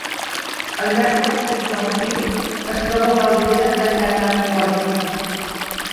Al llarg del curs del riu, es troba l'aldea d'Allanaquoich.